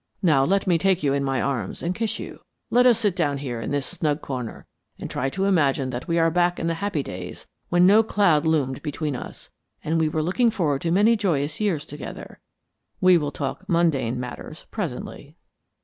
"Now let me take you in my arms and kiss you. Let us sit down here in this snug corner and try to imagine that we are back in the happy days when no cloud loomed between us, and we were looking forward to many joyous years together. We will talk mundane matters presently."